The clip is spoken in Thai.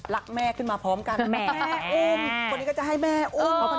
รักแม่ขึ้นมาพร้อมกันแม่อุ้มตอนนี้ก็จะให้แม่อุ้ม